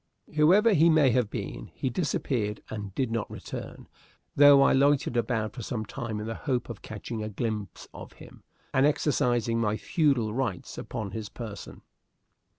Whoever he may have been, he disappeared and did not return, though I loitered about for some time in the hope of catching a glimpse of him and exercising my feudal rights upon his person.